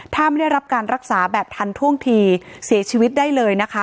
ถ้าไม่ได้รับการรักษาแบบทันท่วงทีเสียชีวิตได้เลยนะคะ